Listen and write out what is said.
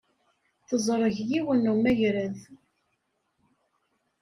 Teẓreg yiwen n umagrad.